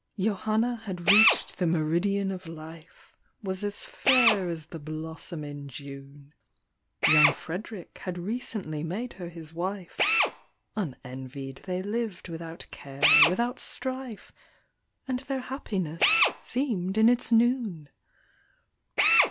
J OHANNA had reach'd the meridian of life, Was as fair as the blossom in June ; Young Fred'rick had recently made her his wife, Unenvied they liv'd without care, without strife, And their happiness seem 1 d in its noon.